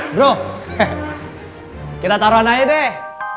bro kita taro naik deh